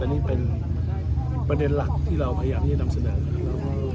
อันนี้เป็นประเด็นหลักที่เราพยายามบ่งดำเสด็จ